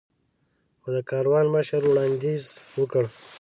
خو د کاروان مشر وړاندیز وکړ.